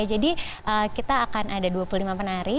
jadi kita akan ada dua puluh lima penari